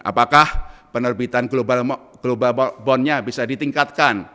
apakah penerbitan global bondnya bisa ditingkatkan